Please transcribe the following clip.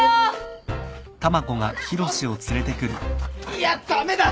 いや駄目だ！